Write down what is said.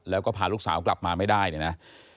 แล้วก็พาลูกสาวกลับมาไม่ได้เนี่ยนะ